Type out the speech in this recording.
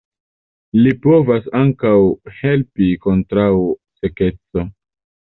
Li povas ankaŭ helpi kontraŭ sekeco.